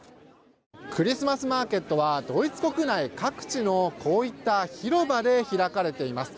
クリスマスマーケットはドイツ国内各地のこういった広場で開かれています。